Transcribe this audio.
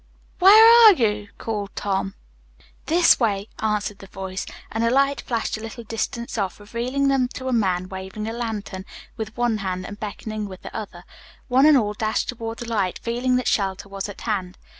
"Where are you?" called Tom. "This way," answered the voice, and a light flashed a little distance off, revealing to them a man waving a lantern with one hand and beckoning with the other. One and all dashed toward the light, feeling that shelter was at hand.